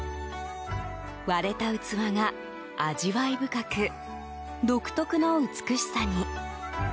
割れた器が味わい深く、独特の美しさに。